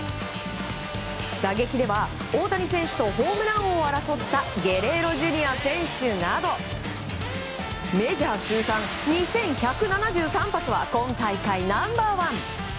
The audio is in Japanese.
打撃では大谷選手とホームラン王を争ったゲレーロＪｒ．選手などメジャー通算２１７３発は今大会ナンバー１。